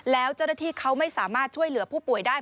แล้วเจ้าหน้าที่เขาไม่สามารถช่วยเหลือผู้ป่วยได้